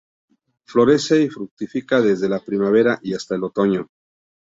Florece y fructifica desde la primavera y hasta el otoño.